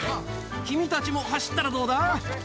君たちも走ったらどうだ？